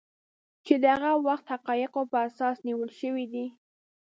چې د هغه وخت حقایقو په اساس نیول شوي دي